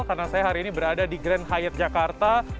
karena saya hari ini berada di grand hyatt jakarta